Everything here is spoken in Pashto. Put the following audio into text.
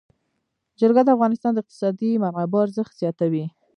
جلګه د افغانستان د اقتصادي منابعو ارزښت زیاتوي.